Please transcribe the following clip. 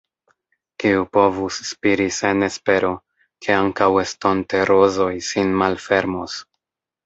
Kiu povus spiri sen espero, ke ankaŭ estonte rozoj sin malfermos.